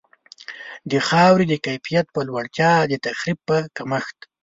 د خاورې د کیفیت په لوړتیا، د تخریب په کمښت.